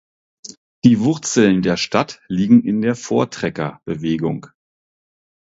Die Wurzeln der Stadt liegen in der Voortrekker-Bewegung.